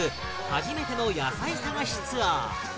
初めての野菜探しツアー